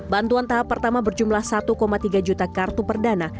bantuan tahap pertama berjumlah satu tiga juta kartu perdana